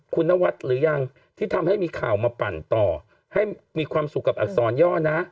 คุณนวัดหรือยังที่ทำให้มีข่าวมาปั่นต่อให้มีความสุขกับอักษรย่อนะ